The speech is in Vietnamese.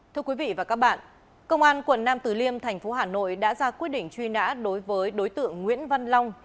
thưa quý vị và các bạn công an quận nam tử liêm thành phố hà nội đã ra quyết định truy nã đối với đối tượng nguyễn văn long